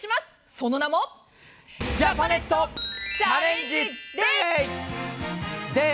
その名もジャパネットチャレンジデー！